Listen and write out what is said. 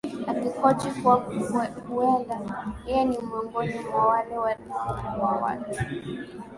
Alihoji kuwa huwenda yeye ni miongoni mwa wale wanaoua watu